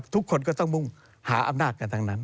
ทุกคนก็ต้องมุ่งหาอำนาจกันทั้งนั้น